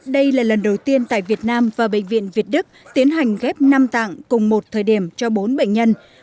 đây là lần đầu tiên tại việt nam và bệnh viện việt đức tiến hành ghép năm tạng cùng một thời điểm cho bốn bệnh nhân